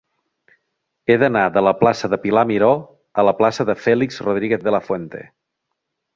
He d'anar de la plaça de Pilar Miró a la plaça de Félix Rodríguez de la Fuente.